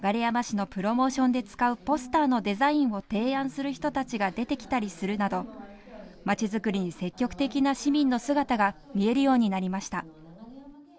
のプロモーションで使うポスターのデザインを提案する人たちが出てきたりするなど、まちづくりに積極的な市民の姿が見えるようになりました。